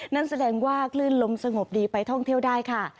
นั่นแสดงว่าคลื่นลมสงบดีไปท่องเที่ยวได้ค่ะ